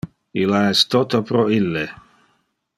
Illa es toto pro ille.